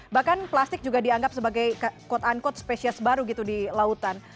bahkan plastik juga dianggap sebagai quote unquote spesies baru gitu di lautan